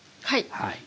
はい。